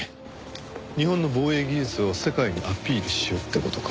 日本の防衛技術を世界にアピールしようって事か。